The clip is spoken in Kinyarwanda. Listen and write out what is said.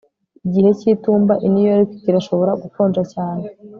Igihe cyitumba i New York kirashobora gukonja cyane